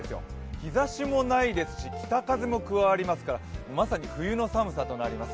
日ざしもないですし、北風も加わりますからまさに冬の寒さとなります。